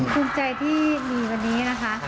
ภูมิใจที่มีวันนี้นะคะ